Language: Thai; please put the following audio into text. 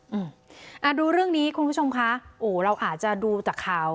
อืมอ่าดูเรื่องนี้คุณผู้ชมคะโอ้เราอาจจะดูจากข่าว